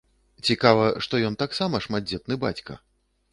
Цікава, што ён таксама шматдзетны бацька.